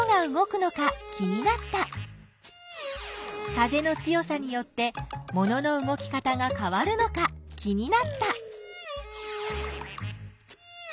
風の強さによってものの動き方がかわるのか気になった。